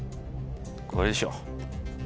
これでしょう。